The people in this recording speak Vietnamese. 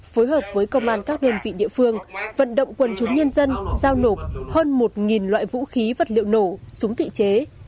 phối hợp với công an các đơn vị địa phương vận động quần chúng nhân dân giao nộp hơn một loại vũ khí vật liệu nổ súng tự chế